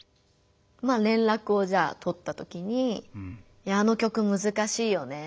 まあ連絡をじゃあ取ったときに「あの曲むずかしいよね。